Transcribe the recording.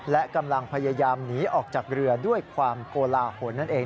และกำลังพยายามหนีออกจากเรือด้วยความโกลาหลนั่นเอง